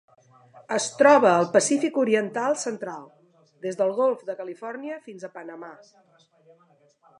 Es troba al Pacífic oriental central: des del Golf de Califòrnia fins a Panamà.